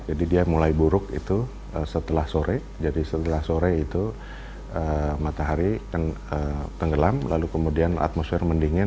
dia mulai buruk itu setelah sore jadi setelah sore itu matahari tenggelam lalu kemudian atmosfer mendingin